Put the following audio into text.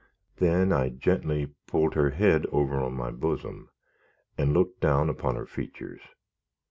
Then I gently pulled her head over on my bosom, and looked down upon her features.